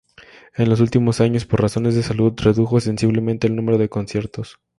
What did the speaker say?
En los últimos años, por razones de salud, redujo sensiblemente el número de conciertos.